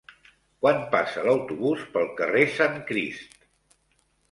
Quan passa l'autobús pel carrer Sant Crist?